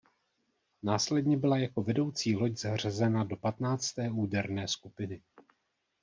Následně byla jako vedoucí loď zařazena do patnácté úderné skupiny.